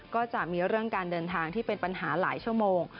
ก็จะมีเรื่องการเดินทางที่เป็นปัญหาหลายชั่วโมง